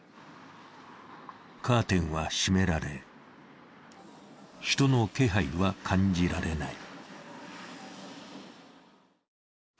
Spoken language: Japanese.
カーテンは閉められ、人の気配は感じられない。